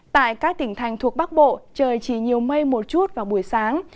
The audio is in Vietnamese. tại các tỉnh thành thuộc bắc bộ trời chỉ nhiều mây một chút vào buổi sáng